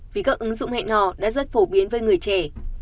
vì các ứng dụng hẹn nò đã rất phổ biến với người trẻ